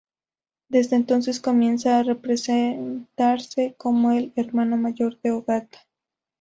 Desde entonces comienza a presentarse como el hermano mayor de Ogata.